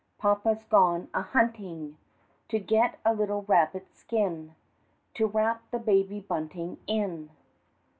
Papa's gone a hunting, To get a little rabbit skin To wrap the Baby Bunting in."